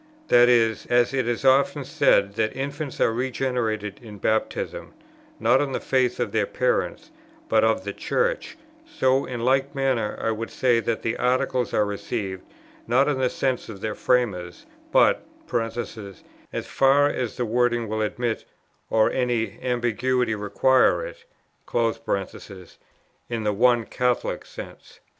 That is, as it is often said that infants are regenerated in Baptism, not on the faith of their parents, but of the Church, so in like manner I would say that the Articles are received, not in the sense of their framers, but (as far as the wording will admit or any ambiguity requires it) in the one Catholic sense."